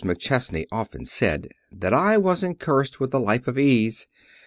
Mrs. McChesney often said, "that I wasn't cursed with a life of ease.